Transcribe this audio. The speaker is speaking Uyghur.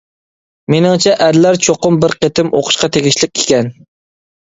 مېنىڭچە ئەرلەر چوقۇم بىر قېتىم ئوقۇشقا تېگىشلىك ئىكەن.